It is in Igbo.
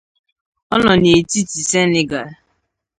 O no n'etiti Senegal.